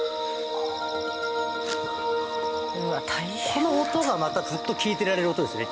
この音がまたずっと聞いてられる音ですね。